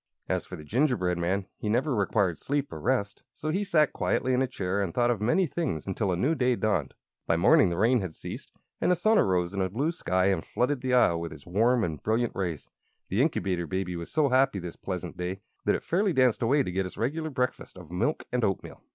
As for the gingerbread man, he never required sleep or rest; so he sat quietly in a chair and thought of many things until a new day dawned. By morning the rain had ceased and the sun arose in a blue sky and flooded the Isle with its warm and brilliant rays. The Incubator Baby was so happy this pleasant day that it fairly danced away to get its regular breakfast of milk and oatmeal.